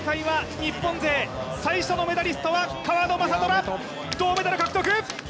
そして今大会は日本勢最初のメダリストは川野将虎銅メダル獲得！